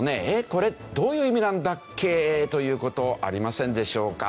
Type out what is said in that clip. これどういう意味なんだっけ？」という事ありませんでしょうか？